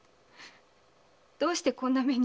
どうしてこんな目に。